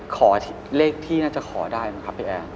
ขอเลขที่น่าจะขอได้ไหมครับพี่แอร์